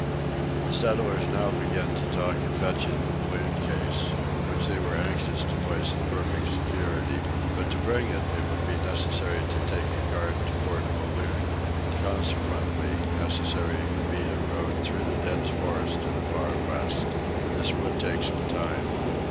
The settlers now began to talk of fetching the balloon case, which they were anxious to place in perfect security; but to bring it, it would be necessary to take a cart to Port Balloon, and consequently, necessary to beat a road through the dense forests of the Far West. This would take some time.